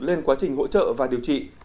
lên quá trình hỗ trợ và điều trị